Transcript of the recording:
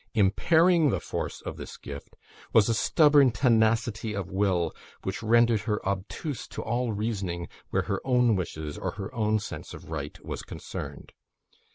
Impairing the force of this gift, was a stubborn tenacity of will, which rendered her obtuse to all reasoning where her own wishes, or her own sense of right, was concerned.